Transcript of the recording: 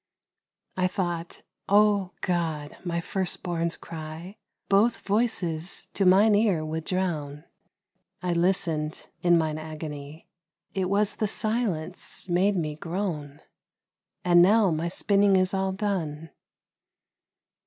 I thought, O God! my first born's cry Both voices to mine ear would drown: I listened in mine agony, It was the silence made me groan! And now my spinning is all done.